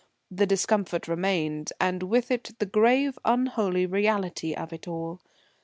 The discomfort remained; and with it the grave, unholy reality of it all.